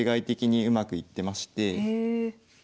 へえ。